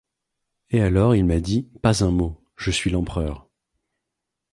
Et alors il m’a dit : Pas un mot, je suis l’empereur…